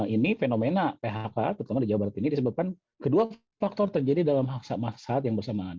ini fenomena phk terutama di jawa barat ini disebabkan kedua faktor terjadi dalam saat yang bersamaan